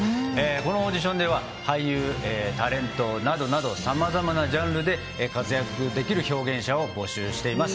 このオーディションでは、俳優、タレントなどなど、さまざまなジャンルで活躍できる表現者を募集しています。